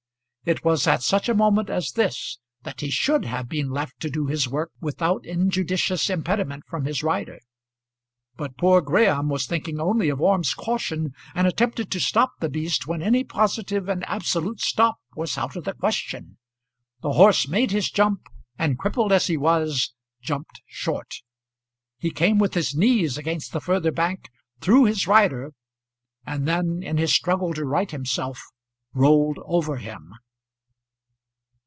It was at such a moment as this that he should have been left to do his work without injudicious impediment from his rider. But poor Graham was thinking only of Orme's caution, and attempted to stop the beast when any positive and absolute stop was out of the question. The horse made his jump, and, crippled as he was, jumped short. He came with his knees against the further bank, threw his rider, and then in his struggle to right himself rolled over him.